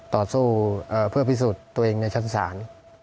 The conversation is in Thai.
ต่อสู้เพื่อพิสูจน์ตัวเองในชั้นศาล